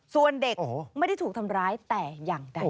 ส่วนเด็กไม่ได้ถูกทำร้ายแต่อย่างใด